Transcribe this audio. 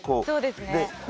そうですね。